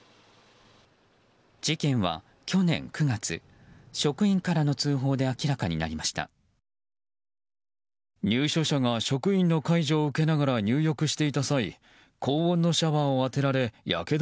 事件は去年９月職員からの通報で明らかになりました。